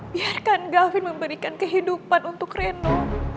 biarkan gavin memberikan kehidupan untuk reno